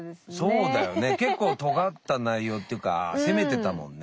そうだよね結構とがった内容っていうか攻めてたもんね。